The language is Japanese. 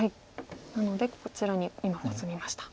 なのでこちらに今コスみました。